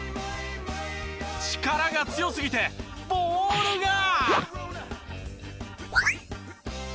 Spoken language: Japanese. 力が強すぎてボールが。